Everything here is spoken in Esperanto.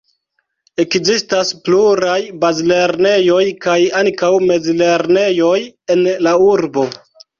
Ekzistas pluraj bazlernejoj kaj ankaŭ mezlernejoj en la urbo.